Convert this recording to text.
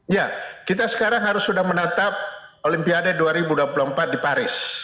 ya kita sekarang harus sudah menetap olimpiade dua ribu dua puluh empat di paris